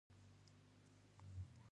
ښایست د ژوندي حس نښه ده